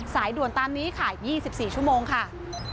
สายด่วนตามนี้ค่ะ๒๔ชั่วโมงค่ะ